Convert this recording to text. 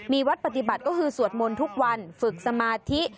มีวัดปฏิบัติก็คือสวดมนต์ทุกวันฝึกสมาธิ